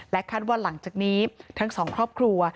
คาดว่าหลังจากนี้ทั้งสองครอบครัว